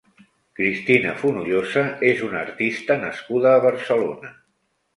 Cristina Fonollosa és una artista nascuda a Barcelona.